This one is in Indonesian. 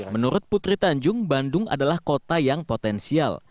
menurut putri tanjung bandung adalah kota yang potensial